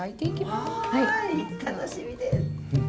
わい楽しみです！